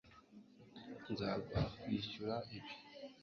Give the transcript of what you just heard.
Nzaguha kwishyura ibi